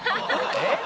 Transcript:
えっ？